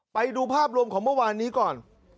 ไปดูภาพรวมของเมื่อวานนี้ก่อน